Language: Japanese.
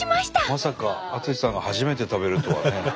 まさか淳さんが初めて食べるとはね。